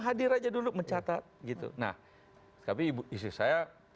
hadir aja dulu mencatat gitu nah tapi ibu istri saya